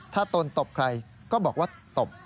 ถ้าตนตบใครก็บอกว่าตบ